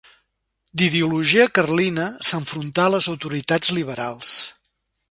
D’ideologia carlina, s’enfrontà a les autoritats liberals.